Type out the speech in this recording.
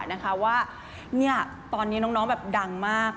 นะคะว่าตอนนี้น้องแบบดังมาก